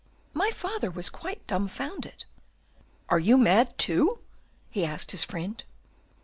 "My father was quite dumbfounded. "'Are you mad, too?' he asked his friend."